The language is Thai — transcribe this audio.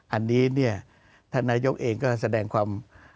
อันนี้เนี่ยท่านนายกเองก็แสดงความ